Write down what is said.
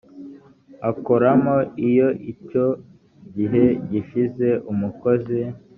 akoramo iyo icyo gihe gishize umukozi